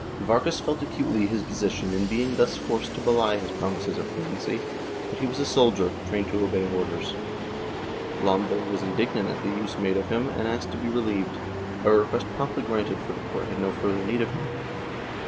Vargas felt acutely his position in being thus forced to belie his promises of clemency, but he was a soldier, trained to obey orders. Lombay was indignant at the use made of him and asked to be relieved, a request promptly granted for the court had no further need of him.